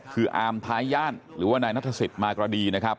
คืออามท้าย่านหรือว่านายนัทศิษย์มากรดีนะครับ